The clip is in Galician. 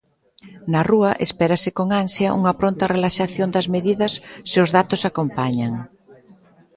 Na rúa, espérase con ansia unha pronta relaxación das medidas se os datos acompañan.